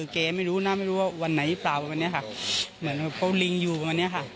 แกไม่รู้นะไม่รู้ว่าวันไหนหรือเปล่าวันนี้ค่ะเหมือนเขาลิงอยู่วันนี้ค่ะ